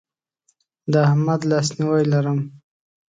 د احمد لاسنیوی لرم.